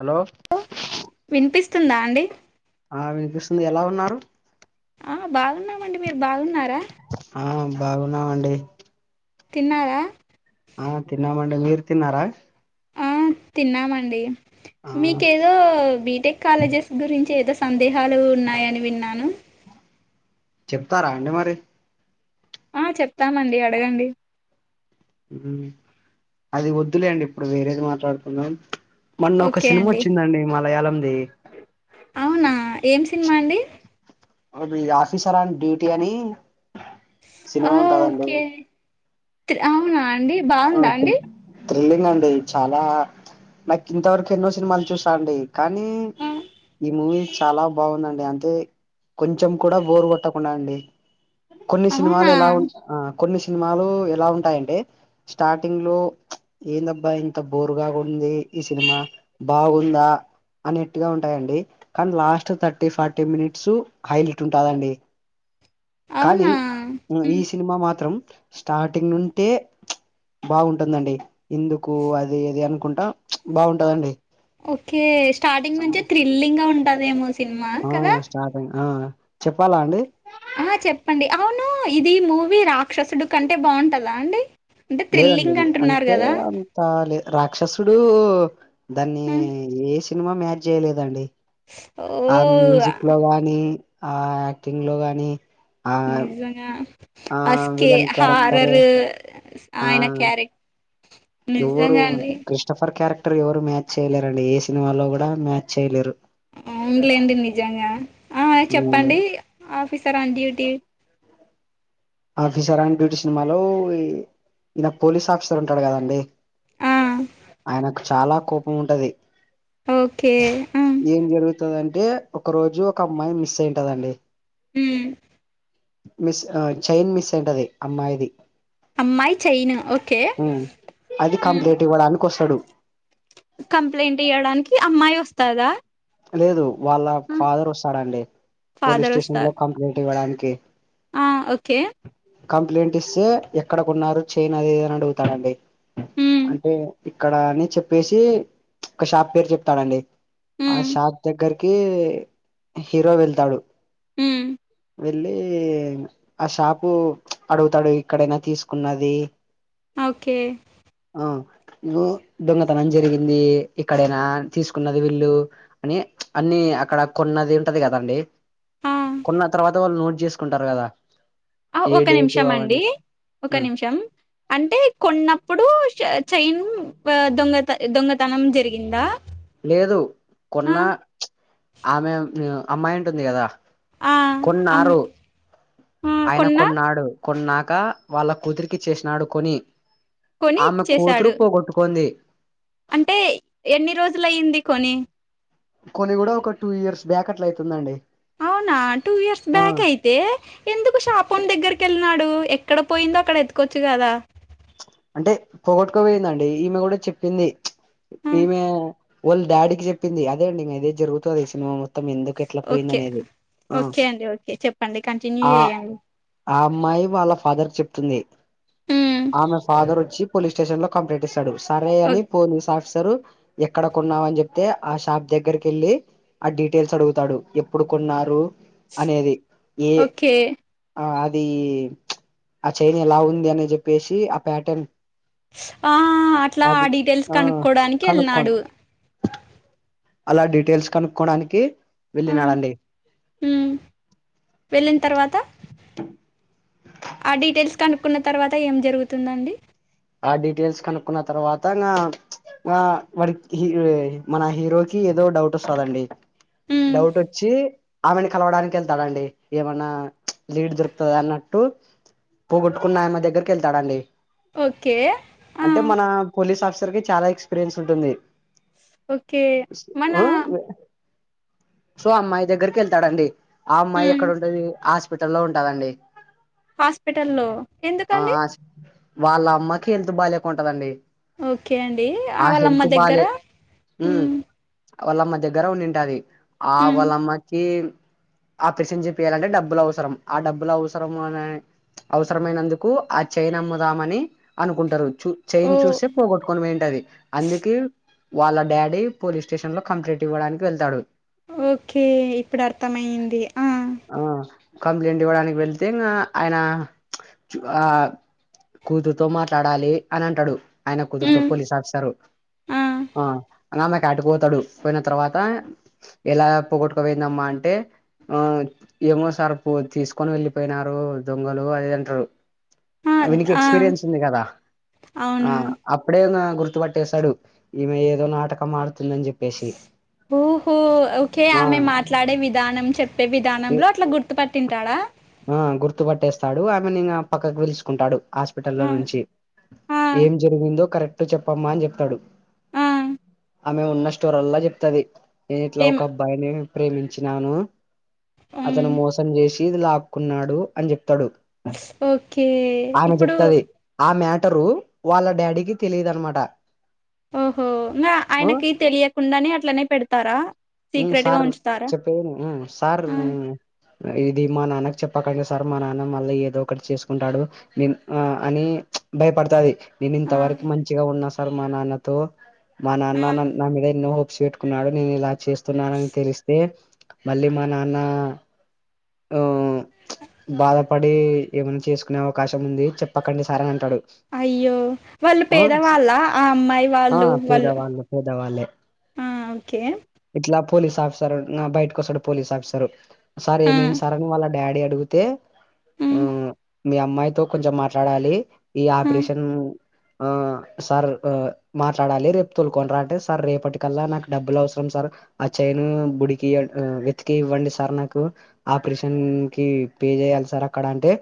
Hello విన్పిస్తుందా అండి ఆ విన్పిస్తుంది ఎలా ఉన్నారు ఆ బావున్నామండి మీరు బావున్నారా ఆ బావున్నామండి తిన్నారా ఆ తిన్నామండి మీరు తిన్నారా ఆ తిన్నామండి ఆ మీకేదో బీ టెక్ కాలేజస్ గురించి ఏదో తందేహాలు ఉన్నాయని విన్నాను చెప్తారా అండి మరి ఆ చెప్తామండి అడగండి ఊ అది వద్దులే అండి ఇప్పుడు వేరేది మాట్లాడుకుందాం మొన్న ఒక ఓకే అండి సినిమొచ్చిందండి మలయాలం ది అవునా ఏం సినిమా అండి అది ఆఫీసర్ ఆన్ డ్యూటీ అని సినిమా ఉంటాదండి త్ అవునా అండి ఆ బావుందా అండి థ్రి- థ్రిల్లింగ్ అండి చాలా నాకు ఇంత వరకూ ఎన్నో సినిమాలు చూసా అండి కానీ ఆ, ఈ మూవీ చాలా బావుందండి అంతే కొంచెం కూడా బోరు కొట్టకుండా అండి కొన్ని సినిమాలు అవునా ఎలా ఉన్ కొన్ని సినిమాలు ఎలా ఉంటాయంటే స్టార్టింగ్ లో ఏందబ్బా ఇంత బోరుగా ఉంది ఈ సినిమా బావుందా అనేట్టుగా ఉంటాయండి కానీ last thirty forty minutes highlight ఉంటాదండి కానీ అవునా ఈ ఉమ్, సినిమా మాత్రం స్టార్టింగ్ నుంటే బావుటుందండి ఎందుకు అది ఇది అనుకుంటా బావుంటాదండి ఓకే స్టార్టింగ్ నుంచే థ్రిల్లింగ్ గా ఉంటాదేమో ఆ స్టార్టింగ్ ఆ చెప్పాలా అండి ఆ చెప్పండి అవును ఇది మూవీ రాక్షసుడు కంటే బావుంటదా అండి అంటే థ్రిల్లింగ్ అంటున్నారు కదా. రాలే రాక్షసుడు. దాన్ని హ్మ్. ఏ సినిమా మ్యాచ్ చేయలేదండి. ఆ ఓహ్! మ్యూజిక్ లో గాని, ఆ యాక్టింగ్ లో గాని. ఆ నిజంగా ఆ అస్కే విలన్ క్యారెక్టర్ హర్రరు. ఆ ఆయన క్యారె ఎవరు క్రిస్టఫర్ క్యారెక్టర్ ఎవరు మ్యాచ్ చేయలేరండి. ఏ సినిమాలో కూడా మ్యాచ్ చేయలేరు. అవునులేండి నిజంగా. ఆ ఉమ్, చెప్పండి officer on duty. Officer on duty సినిమాలో. ఈయన పోలీస్ ఆఫీసర్ ఉంటాడు కదా అండి. ఆ! ఆయనకు చాలా కోపం ఉంటది. ఓకే ఆ. ఏం జరుగుతది అంటే. ఒక రోజు ఒక అమ్మాయి మిస్ అయింత దండి. ఊ మిస్ చైన్ మిస్ అయి ఉంటది అమ్మాయిది. అమ్మాయి చైన్ ఓకే. అది కంప్లేట్ ఇవ్వడానికి వస్తాడు. కంప్లైంట్ ఇయ్యడానికి అమ్మాయి వస్తదా. లేదు వాళ్ళ ఫాదర్ వస్తాడండి. పోలీస్ ఫాదర్ వస్తా స్టేషన్ లో కంప్లైంట్ ఇవ్వడానికి. ఆ ఓకే. కంప్లైంట్ ఇస్తే. ఎక్కడకొన్నారు చైన్ అది ఇది అని అడుగుతాడండి. హ్మ్. అంటే ఇక్కడని చెప్పేసి ఒక షాప్ పేరు చెప్తాడండీ. ఆ హ్మ్. షాప్ దగ్గరకి హీరో వెళ్తాడు. హ్మ్ వెళ్ళి ఆ షాపు అడుగుతాడు ఇక్కడేనా తీసుకున్నది. ఓకే. ఆ ఇగో దొంగతనం జరిగింది ఇక్కడేనా తీసుకున్నది వీళ్ళు. అని అన్ని అక్కడ కొన్నది ఉంటది కదండి ఆ! కొన్న తర్వాత వాళ్ళు నోట్ చేస్. కుంటారు కదా. ఏ ఒక్క డేటు నిమిషం అండి. అవన్నీ ఒక ఉమ్ నిమిషం. అంటే కొన్నప్పుడు చైన్ దొంగతన దొంగతనం జరిగిందా. లేదు ఆ! కొన్న ఆమె అమ్మాయి ఉంటుంది కదా. ఆ! అమ్ కొన్నారు. ఆ! ఆయన కొన్నా కొన్నాడు. కొన్నాక వాళ్ళ కుతురికి ఇచ్చేసినాడు కొని. కొని ఆమె కూతురు ఇచ్చేసాడు. పోగొట్టుకోంది. అంటే ఎన్ని రోజులు అయింది కొని. కొని కూడా, ఒక టూ ఇయర్స్ బ్యాక్ అట్ల అయితుందండి. అవునా టూ ఇయర్స్ ఆ బ్యాకే, అయి అయితే ఎందుకు షాపోనికి దగ్గరికి ఎల్లినాడు. ఎక్కడ పోయిందో అక్కడ ఎత్కచ్చు కదా. అంటే పోగొట్టుకోకపోయిందండి. ఈమె కూడా చెప్పింది. ఆ! ఈమె వాళ్ళ డాడీకి చెప్పింది. అదే అండి ఇదే జరుగుతది ఈ సినిమా మొత్తం. మొత్తం ఎందుకు ఎట్లా పోయింద ఓకే. అనేది ఆ ఓకే అండి. ఓకే. చెప్పండి కంటిన్యూ ఆ. చేయండి. ఆ అమ్మాయి. వాళ్ళ ఫాదర్ కి చెప్తుంది. హ్మ్. ఆమె ఫాదర్ వచ్చి పోలీస్ స్టేషన్ లో కంప్లైంట్ ఇస్తాడు సరే ఓ అని. పోలీస్ ఆఫీసరు ఎక్కడ కొన్నావని చెప్తే ఆ షాప్ దగ్గరకి వెళ్ళి. ఆ డీటెయిల్స్ అడుగుతాడు. ఎప్పుడు కొన్నారు. అనేది ఏ ఓకే. ఆ అది ఆ చైన్ ఎలా ఉంది అని చెప్పేసి ఆ ప్యాటర్న్. ఆ అట్లా ఆ అది డీటెయిల్స్ ఆ కనుక్కోడానికి ఎల్లినాడు. కనుక్కోండి అలా డీటెయిల్స్ కనుక్కోడానికి వెళ్ళినాడండి. హు వెళ్ళిన తర్వాత ఆ డీటెయిల్స్. కనుక్కున్న తర్వాత ఏం జరుగుతుందండి ఆ డీటెయిల్స్ కనుక్కున్న తర్వాత ఇంగా ఆ వాడిక్ హీరో మన హీరోకి ఏదో డౌట్ వస్తుందండి ఉమ్ డౌట్ వచ్చి ఆమెను కలవడానికి వెళ్తాడంండి ఏమన్నా లీడ్ దొరుకుతుంది అన్నట్టు పోగోట్టుకున్న ఆయన దగ్గరికి వెళ్తాడండి ఓకే ఆ అంటే మనా పోలీస్ ఆఫీసర్ కి చాలా ఎక్స్పీరియన్స్ ఉంటుంది ఓకే మన ఆ సో అమ్మాయి దగ్గరికి వెళ్తాడండి ఆ అమ్మాయి ఉమ్ ఎక్కడ ఉంటది హాస్పిటల్లో ఉంటదండి హాస్పిటల్లో ఆ ఎందుకండి వాళ్ళ అమ్మకి హెల్త్ బాగాలేక ఉంటదండి ఓకే అండి ఆ వాళమ్మ హెల్త్ దగ్గర బాలే ఉమ్ వాళ్ళమ్మ దగ్గర ఉండింటాది ఆ ఉమ్ వాళ్ళమ్మకి ఆ పిర్షన్ చెపీయాలంటే డబ్బులు అవసరం ఆ డబ్బులు అవసరం అని అవసరమైనందుకు ఆ చైన్ అమ్ముదామని అనుకుంటరు చూ ఓ చైన్ చూస్తే పోగొట్టుకొని పోయింటది అందుకి వాళ్ళ డాడీ పోలీస్ స్టేషన్ లో కంప్లైంట్ ఇవ్వడానికి వెళ్తాడు ఓకే ఇప్పుడు అర్థమయ్యింది ఆ ఆ కంప్లైంట్ ఇవ్వడానికి వెళ్తే ఇంగ ఆయన చుగా ఆ కూతుర్ తో మాట్లాడాలి అని అంటడు ఆయన కూతురుతో ఉమ్ పోలీస్ ఆఫీసర్ ఆ ఆమె క అటు పోతాడు పోయిన తర్వాత ఎలా పోొగొట్టుకు పోయిందమ్మా అంటే ఆ ఏమో సార్ తీసుకొని వెళ్ళిపోయినారు దొంగలు అది అంట్రు ఆ అవినికి ఆ ఎక్స్పీరియన్స్ ఉంది కదా ఆ అవును అప్ పుడె ఈయన గుర్తుపట్టేేశాడు ఈమె ఏదో నాటకం ఆడుతుందని చెప్పేసి ఊహు ఓకే ఆ ఆమె మాట్లాడే విధానం చెప్పే విధానంలో అట్ల గుర్తు పట్టింటాడా ఆ గుర్తు పట్టేస్తాడు ఆమెని ఇంగ పక్కకు పిలుచుకుంటాడు హాస్పి ఆ టల్లో నుంచి ఆ ఏం జరిగిందో కరెక్ట్ చెప్పమ్మా అని చెప్తాడు ఆ ఆమె ఉన్న స్టోరల్లా చెప్తది నేను ఇట్ల ఏం ఒక అబ్బాయిని ప్రేమించినాను అతను హ్మ్ మోసం చేసి ఇది లాక్కున్నాడు అని చెప్తడు ఓకే ఇప్పుడు ఆ మ్యాటరు వాళ్ళ డాడీకి తెలీదు అనమాట ఓహో ఇంగ ఆయనకి తెలియకుండానే అట్లనే పెడతార ఉ సార్ చెప్పేది విను సార్ ఆ ఇది మా నాన్నక్ చెప్పకండి సార్ మా నాన్న మళ్ళీ ఏదో ఒకటి చేసుకుంటాడు నేన్ ఆ అని భయపడతాది నేను ఆ ఇంతవరకు మంచిగ ఉన్నా సార్ మా నాన్నతో మా ఆ నాన్న నా మీద ఎన్నో హోప్స్ పెట్ కున్నాడు నేను ఇలా చేస్తున్నానని తెలిస్తే మళ్ళీ మా నాన్న ఓయ్ బాధపడి ఏమన్న చేసుకునే అవకాశం ఉంది చెప్పకండి సార్ అని అంటాడు అయ్యో వాళ్ళు ఆ పేదవాళ్ళ ఆ అమ్మాయి ఆ వాళ్ళు వాళ్ళు పేదవాళ్ళు ఆ ఓకే ఇట్ల పోలీస్ ఆఫీసర్ నా బయటకు వస్తాడు పోలీస్ ఆఫీసరు సార్ ఆ ఏమయింది సార్ అని వాళ్ళ డాడీ అడుగు తే ఉమ్ మీ అమ్మాయితో కొంచం మాట్లాడాలి ఈ ఆ ఆపరేషన్ ఆ సార్ ఆ మాట్లాడాలి రేప్ తోలుకొనిరా అంటే, సార్ రేపటికల్లా నాక్ డబ్బులు అవసరం సార్ ఆ చైన్ బుడికి ఇయ్న్ ఆ వెతికి ఇవ్వండి సార్ నాకు. ఆపరేషన్ కి పే జేయాలి సార్ అక్కడ అంటే,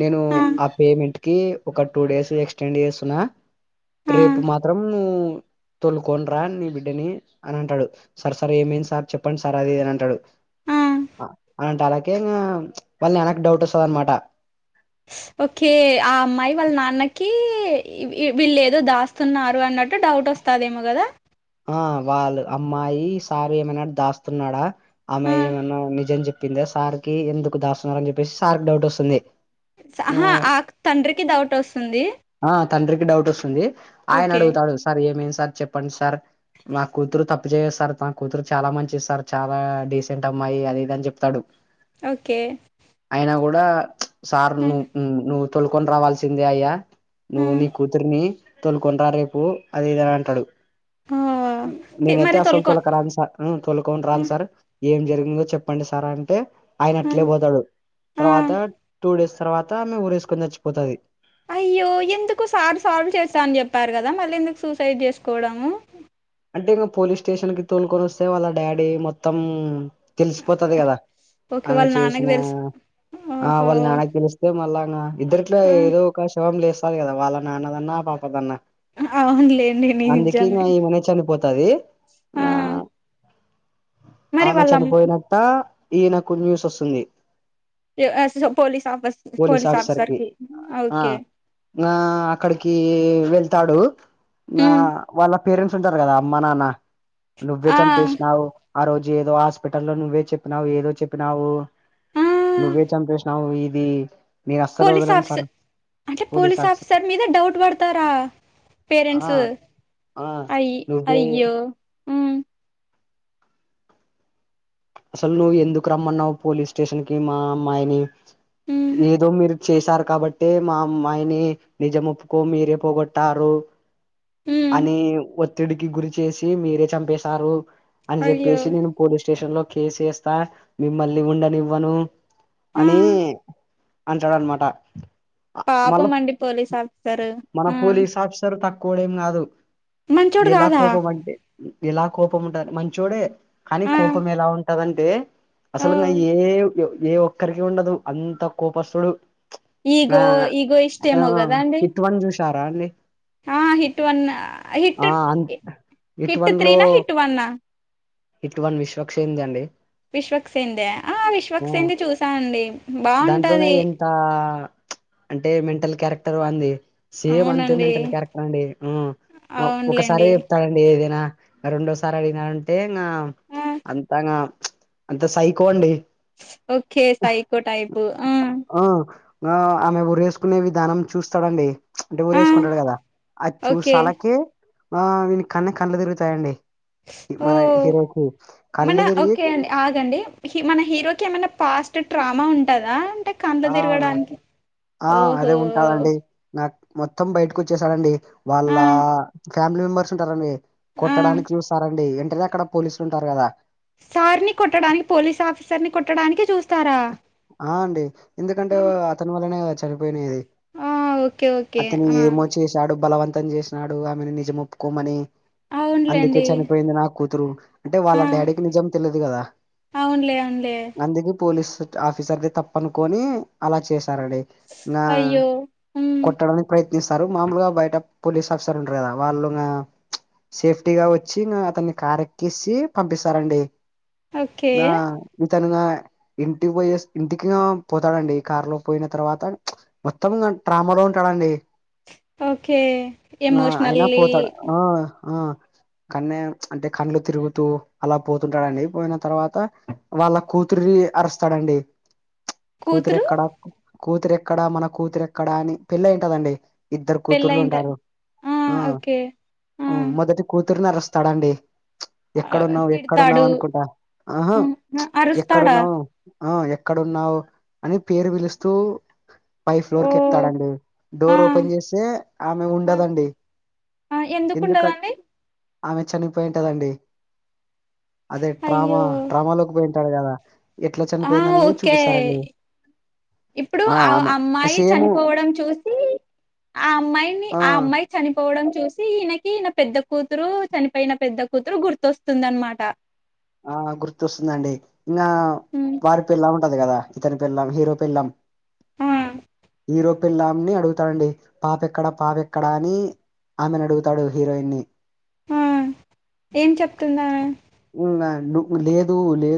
నేను ఆ పేమెంట్ కి ఒక టూ డేస్ ఎక్స్టెండ్ జేస్తున్నా ఆ రేపు మాత్రం తొలుకోనిరా నీ బిడ్డని అని అంటాడు. సార్ సార్ ఏమైంది సార్ చెప్పండి సార్ అది అని అంటాడు. ఆ అనేటలాకి ఇంగ వాళ్ళ నాన్నకి డౌట్ ఒస్తది అన్నమాట. ఓకే ఆ అమ్మాయి వాళ్ళ నాన్నకి ఈ వీళ్ళేదో దాస్తున్నారు అన్నట్టు డౌట్ ఒస్ తదేమోగద ఆ వాళ్ అమ్మాయి, సార్ ఏమైనా దాస్తున్నాడా ఆ అమ్మాయి ఏమైన్నా నిజం చెప్పింద సార్కి, ఎందుకు దాస్తున్నారు అని జెప్పేసి సార్కి డౌట్ ఒస్తుంది. ఆహా ఆక్ తండ్రికి డౌట్ ఒస్తుంది. ఆ తండ్రికి డౌట్ ఒస్తుంది. ఆయన ఓకే అడుగుతాడు సార్ ఏమైంది, సార్ చెప్పండి సార్ నా కూతురు తప్పు జేయదు సార్, నా కూతురు చాలా మంచిది సార్, చాలా డీసెంట్ అమ్మాయి అది ఇది అని జెప్తాడు. ఓకే అయినా గుడా సార్ ఆ నువ్ నువ్వు తొలుకొని రావాల్సిందే అయ్యా నువ్వు నీ కూతురిని తోలుకొనిరా రేపు అది ఇదని అంటాడు. నేనైతే మరి అస్సలు తొలుకో తోలకరాను సార్ ఉమ్ తొలుకొనిరాను సార్, ఏం జరిగిందో చెప్పండి సార్ అంటే ఆయన అట్లే పోతాడు, ఆ తర్వాత టూ డేస్ తర్వాత ఆమె ఊరి ఏసుకొని చచ్చిపోతది. అయ్యో ఎందుకు సార్ సాల్వ్ చేత్త అని చెప్పారు గదా, మళ్ళీ ఎందుకు సూసైడ్ చేసుకోవడము. అంటే ఇంగా పోలీస్ స్టేషన్ కి తోలుకొని ఒస్తే, వాళ్ళ డాడీ మొత్తం తెలిసిపోతది గదా. ఓకే ఆమె వాళ్ళ నాన్నకి చేసిన, తెలుసు ఆ ఓహో వాళ్ళ నాన్నకి తేలిస్తే మళ్ళానా ఇద్దరిట్లా ఆ, ఏదో కా శవం లేస్తాది కదా వాళ్ళ నాన్నదన్నా, పాపదన్నా అవునులేండి అందుకిమె నిజమే ఈమెనే చనిపోతది, ఆ మరి ఆమె వాళ్ళ చనిపోయినక్ త ఈనకు న్యూస్ ఒస్తుంది ఎ ఎస్ [inaudible] పోలీస్ ఆఫీస్, పోలీస్ ఆఫీసర్కి ఆ ఓకే నా అక్కడికి వెళ్తాడు, నా ఉమ్, వాళ్ళ పేరెంట్స్ తుంటారు కదా అమ్మ నాన్న, నువ్వే ఆ చంపేసినావు ఆ రోజు ఏదో హాస్పిటల్లో నువ్వే చెప్పినావు, ఏదో చెప్పినావు ఆ నువ్వే చంపేసినావు ఇది, నేన్ అస్సల్ పోలీస్ వదలను సార్ ఆఫీసర్ అంటే పోలీస్ ఆఫీసర్ మీద డౌట్ వడతారా ఆ పేరెంట్స్ ఆ అయి నువ్ అయ్యో ఉమ్ అసల్ నువ్ ఎందుకు రమ్మన్నావు పోలీస్ స్టేషన్కి, మా అమ్మాయిని ఉమ్ ఏదో మీరు చేశారు కాబ్బట్టే మా అమ్మాయిని నిజం ఒప్పుకో, మీరే పోగొట్టారు ఉమ్ అని ఒత్తిడికి గురి చేేసి, మీరే చంపేశారు అని అయ్యో జెప్పేసి నేను పోలీస్ స్టేషన్ లో కేస్ ఏస్తా, మిమ్మల్ని ఉండనివ్వను. ఆ అని అంటాడన్నమాట ఆ మళ్ళా పాపం అండి పోలీస్ ఆఫీసరు [inaudible] మన ఆ పోలీస్ ఆఫీసర్ తక్కువోడు ఏం గాదు మంచోడు ఎలా కాదా కోపమంటే ఎలా కోపం ఉంటాదాంటే మంచచోడే కానీ ఆ కోపం ఎలా ఉంటదంటే ఓ అసలున్న ఏ, ఏ ఒక్కరికి ఉండదు అంత కోపస్థుడు. ఆ ఈగో ఈగో ఇష్ట ఆ ఏమో కదా అండి హిట్ వన్ జుషారా అండి ఆ హిట్ వన్ హిట్ ఆ అన్ హి ఇట్ హిట్ త్రీ నా హిట్ వన్నా హిట్ వన్ విశ్వక్ చేంజ్ అండి విశ్వక్సేన్ద ఆ ఆ విశ్వక్సింది చూశ అండి బాటది త అంటే మెంటల్ క్యారెక్టర్ వాంది సేమ్ అంతే అవునండి మెంటల్ క్యారెక్టర్ అండి ఉ ఓ ఒకసారే అవునులేండి చెప్తాడండి ఏదైనా రెండోసారి అడిగినా అంటే ఇంగ ఆ అంతగా అంత సైకో అండి ఓకే సైకో టైపు ఆ ఆ ఆ ఆమె ఉరి వేసుకునే విధానం చూస్తాడండి అంటే ఉరి ఆ ఎసుకుంటాడు కదా అద్ చూస్ ఓకే అలాకే ఆ వీని కనే కళ్ళలు తిరుగుతాయిండి ఈ మన ఓ హీరోకు మన కల్ళుతిరిగి ఓకే అండి ఆగండి హీ మన హీరోకి ఏమైనా పాస్ట్ ట్రామా ఉంటాదా అంటే కండ్లు ఆ ఉ తిరగడానికి ఆ ఓహో అదే ఉంటాదండి నాక్ మొత్తం బయిటుకు వచ్చేసాడండీ వాళ్ళ ఆ ఫ్యామిలీ మెంబర్స్ ఉంటారండి ఆ కొట్టడానికి చూస్తారండి ఏంటనే అక్కడ పోలీసులు ఉంటారు కదా సార్ని కొట్టడానికి పోలీస్ ఆఫీసర్ ని కొట్టడానికి చూస్తారా ఆ అండి ఎందుకంటే ఓ అతన్ వల్లనే గదా చనిపోయినేది ఆ ఓకే ఓకే అతను ఆ ఏమో చేశాడు బలవంతం చేసినాడు ఆమెను నిజముప్పుకోమని అందికే అవునులేండి చనిపోయింది నా కూతురు అంటే వాళ్ళ డాడీకి నిజం తెలిదు కదా లే అన్లె అందుకే పోలీస్ ట్ ఆఫీసర్ ది తప్పనుకోని అలా చేశారండి నా అయ్యో ఉమ్ కొట్టడంమే ప్రయత్నిస్తారు మామూలుగా బయట పోలీస్ ఆఫీసర్ ఉంటారు కదా వాళ్ళు ఇంగా సేఫ్టీగా వచ్చి ఇంగా అతన్ని కార్ ఎక్క్కసి పంపిస్తారండి ఓకే నా ఇతనుంగా ఇంటికి పోయేస్ ఇంటికె పోతాడండి కారు లో పోయిన తర్వాత మొత్తం నా ట్రామాలో ఉంటాడండి ఓకే నా అయినా ఎమోషనల్లీ పోతాడ్ ఆ ఆ కానే అంటే కండ్లు తిరుగుతూ అలా పోతుంటాడు అండి పోయిన తర్వాత వాళ్ళ కూతురి అరుస్తాడండి కూతురు కూతురెక్కడా కూతురు ఎక్కడ మన కూతురు ఎక్కడా అని పెళ్లి అయింటాదండి ఇద్దరు కూతుర్లు పెళ్ళయింట ఉంటారు ఆ ఆ ఉ మొదటి కూతురుని అరెస్ తడండి ఆ, ఎక్కడున్నావ్ ఎక్కడున్నావ్ తిడతాడు అనుకుంటా ఆహ ఆ, అరుస్తాడా ఎక్కడున్నావ్ ఆ ఎక్కడున్నావ్ అని పేరు పిలుస్తూ పై ఫ్లోర్ ఓ కెతాడండి ఆ డోర్ ఓపెన్ చేస్తే ఆమె ఉండదండి ఆ ఎందుకంటే ఎందుకుండదండి ఆమె చనిపోయింటదండి అదే అయ్యో టడ్రామా టడ్రామాలోకి పోయిట్ టర్ కదా ఎట్లా ఆ చనిపోయింది అనేది ఓకే చూపిస్తారండి ఇప్పుడు ఆ ఆమె అమ్మాయి సేమ్ చనిపోవడం చూసి అమ్మాయిని ఆ అమ్మాయి చనిపోవడం చూసి ఈయనకి ఈయన పెద్ద కూతురు చనిపోయిన పెద్ద కూతురు గుర్తొస్తుంది అనమాట ఆ గుర్తొస్తుందండి ఇంగా హ్మ్. వారు పెళ పాదు కదా ఇతను పెళ్ళాం హీరో పెళ్ళాం ఆ హీరో పిల్లాంని అడుగుతాడు అండి పాప ఎక్కడ పాప ఎక్కడా అని ఆమెను అడుగుతాడు హీరోయిన్ని ఆ ఏం చెప్తుందామె? ఉమ్ నువ్వు లేదు లేద్